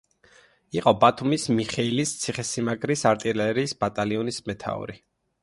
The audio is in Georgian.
იყო ბათუმის მიხეილის ციხე-სიმაგრის არტილერიის ბატალიონის მეთაური.